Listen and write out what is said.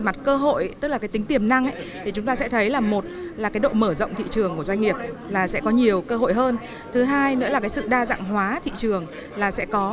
về mặt cơ hội tức là cái tính tiềm năng thì chúng ta sẽ thấy là một là cái độ mở rộng thị trường của doanh nghiệp là sẽ có nhiều cơ hội hơn thứ hai nữa là cái sự đa dạng hóa thị trường là sẽ có